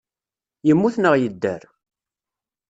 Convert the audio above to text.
Yemmut neɣ yedder?